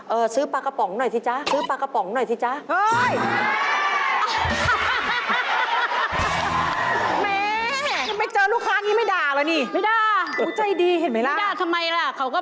เออซื้อปลากระป๋องหน่อยสิจ๊ะ